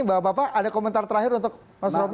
bapak bapak ada komentar terakhir untuk mas romy